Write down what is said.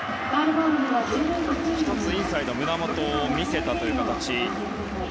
１つ、胸元へのインサイドを見せたという形。